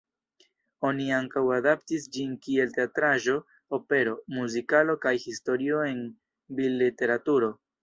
Oni ankaŭ adaptis ĝin kiel teatraĵo, opero, muzikalo kaj historio en bildliteraturo.